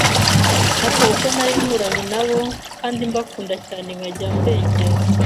Ariko kuko nari nturanye nabo kandi mbakunda cyane nkajya mbegera